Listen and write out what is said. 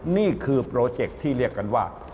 นี่คือโปรเจคที่เรียกกันว่า